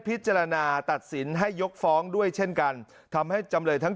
ตัดสินให้ยกฟ้องด้วยเช่นกันทำให้จำเลยทั้ง